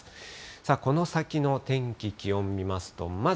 さあ、この先の天気、気温見ます